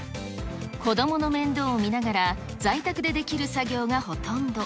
子どもの面倒を見ながら、在宅でできる作業がほとんど。